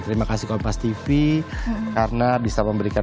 terima kasih kompastv karena bisa memberikan